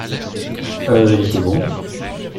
Euh ! il était bon !